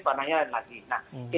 panahnya lain lagi